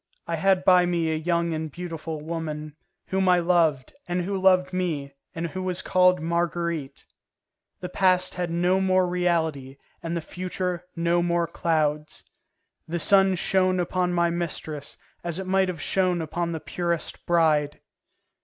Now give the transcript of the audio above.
I had by me a young and beautiful woman, whom I loved, and who loved me, and who was called Marguerite; the past had no more reality and the future no more clouds. The sun shone upon my mistress as it might have shone upon the purest bride.